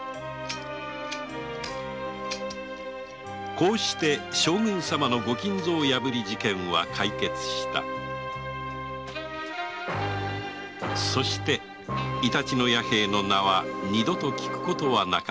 こうして将軍様の御金蔵破りの事件は解決したそしてイタチの弥平の名は二度と聞くことはなかった